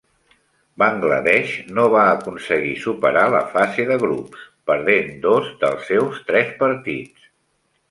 Bangladesh no va aconseguir superar la fase de grups, perdent dos dels seus tres partits.